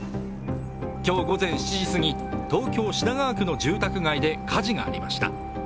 今日午前７時過ぎ、東京・品川区の住宅街で火事がありました。